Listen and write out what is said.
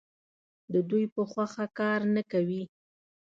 د دوی په خوښه کار نه کوي.